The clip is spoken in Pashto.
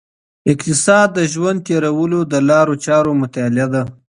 اقتصاد د ژوند تیرولو د لارو چارو مطالعه ده.